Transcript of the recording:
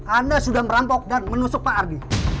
anda sudah merampok dan menusuk pak ardi